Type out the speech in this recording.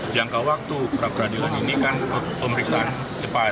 jangka waktu perapradilan ini kan pemeriksaan cepat